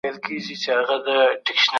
بهرنۍ پالیسي د اړیکو دوام نه ګډوډوي.